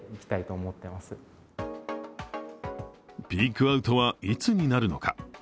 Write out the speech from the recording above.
ピークアウトはいつになるのか。